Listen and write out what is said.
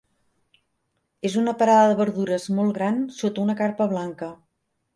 És una parada de verdures molt gran sota una carpa blanca.